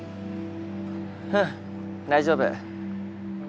うん大丈夫。